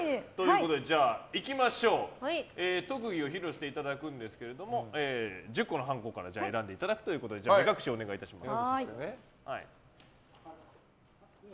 いきましょう特技を披露していただくんですが１０個のはんこからで選んでいただくということで目隠しをお願いします。